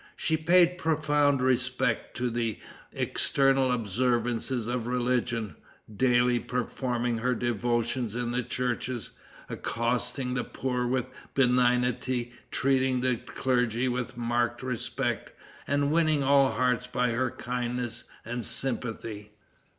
She paid profound respect to the external observances of religion, daily performing her devotions in the churches, accosting the poor with benignity, treating the clergy with marked respect, and winning all hearts by her kindness and sympathy.